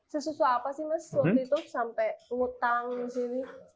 sesusuh apa sih mas waktu itu sampai ngutang sini